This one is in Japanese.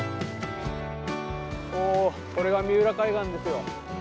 おおこれが三浦海岸ですよ。